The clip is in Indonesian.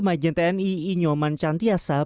majen tni inyoman cantiasa